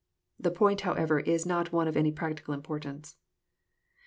The point, however, is not one of any practical importance.